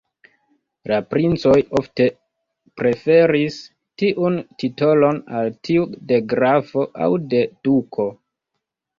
La princoj ofte preferis tiun titolon al tiu de grafo aŭ de duko.